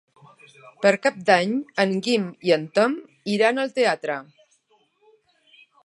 Per Cap d'Any en Guim i en Tom iran al teatre.